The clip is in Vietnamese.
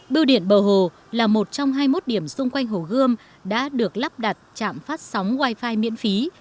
bưu điện bờ hồ là một trong hai mươi một điểm xung quanh hồ gươm đã được lắp đặt chạm phát sóng wi fi miễn phí